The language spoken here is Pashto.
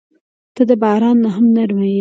• ته د باران نه هم نرمه یې.